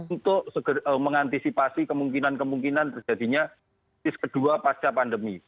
untuk mengantisipasi kemungkinan kemungkinan terjadinya tis kedua pasca pandemi